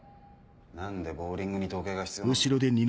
何でボウリングに時計が必要なんだ？